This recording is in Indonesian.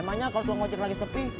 emangnya kalau tuhan ngajar lagi sepi